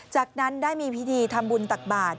จากนั้นได้มีพิธีทำบุญตักบาท